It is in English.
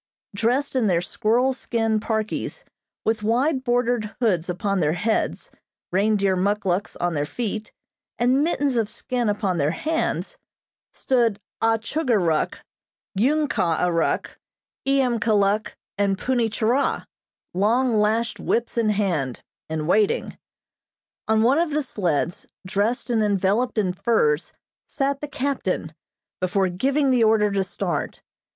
Dressed in their squirrel skin parkies, with wide bordered hoods upon their heads, reindeer muckluks on their feet and mittens of skin upon their hands, stood Ah Chugor Ruk, Ung Kah Ah Ruk, Iamkiluk and Punni Churah, long lashed whips in hand, and waiting. On one of the sleds, dressed and enveloped in furs, sat the captain, before giving the order to start.